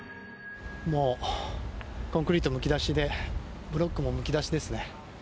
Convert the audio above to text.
コンクリートむき出しでブロックもむき出しですね。